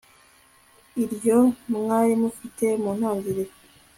Yh iryo mwari mufite mu ntangiriro